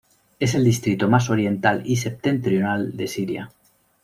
Es el distrito más oriental y septentrional de Siria.